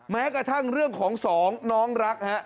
แม้กระทั่งเรื่องของสองน้องรัก